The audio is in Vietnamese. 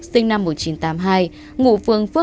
sinh năm một nghìn chín trăm tám mươi hai ngụ phương phước